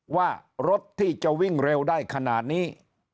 ว่ารถที่จะวิ่งเร็วได้ขนาดนี้